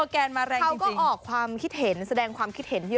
เขาก็ออกความคิดเห็นแสดงความคิดเห็นเยอะ